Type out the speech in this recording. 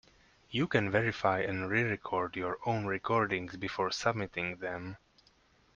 You can verify and re-record your own recordings before submitting them.